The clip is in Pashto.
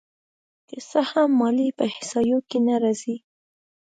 که څه هم ماليې په احصایو کې نه راځي